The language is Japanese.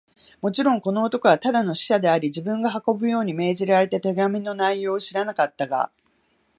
もちろん、この男はただの使者であり、自分が運ぶように命じられた手紙の内容を知らなかったが、